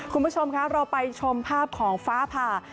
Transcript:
คุณผู้ชมคะเราไปชมภาพของฟ้าผ่า